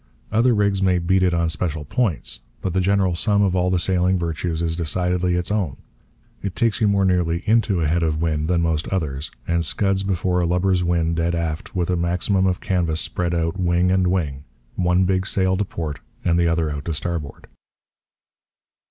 Other rigs may beat it on special points; but the general sum of all the sailing virtues is decidedly its own. It takes you more nearly into a head wind than most others, and scuds before a lubber's wind dead aft with a maximum of canvas spread out 'wing and wing' one big sail to port and the other out to starboard.